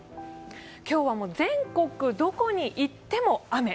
今日はもう全国どこに行っても雨。